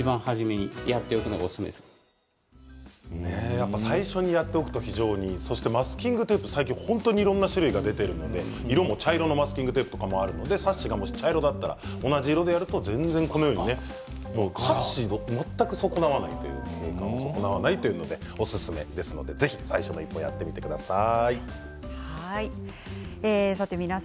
やっぱり最初にやっておくと非常にマスキングテープ、最近はいろいろな種類が出ているので茶色いマスキングテープもあるのでサッシが茶色だったら同じ色でやると全然、可視を損なわないというので、おすすめですのでぜひ最初の一歩をやってみてください。